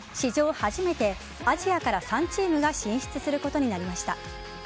初めてアジアから３チームが進出することになりました。